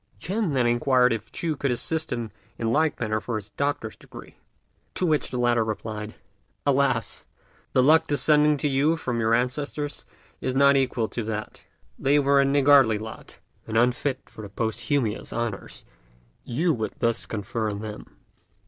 Ch'ên then inquired if Ch'u could assist him in like manner for his doctor's degree; to which the latter replied, "Alas! the luck descending to you from your ancestors is not equal to that. They were a niggardly lot, and unfit for the posthumous honours you would thus confer on them."